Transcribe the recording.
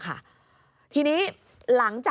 คุณพุทธครับ